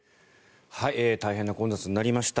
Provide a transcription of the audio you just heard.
大変な混雑になりました。